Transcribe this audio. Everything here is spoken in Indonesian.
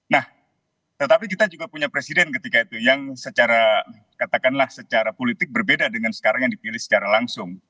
nah tetapi kita juga punya presiden ketika itu yang secara katakanlah secara politik berbeda dengan sekarang yang dipilih secara langsung